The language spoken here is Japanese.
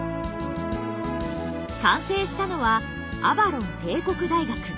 完成したのは「アバロン帝国大学」。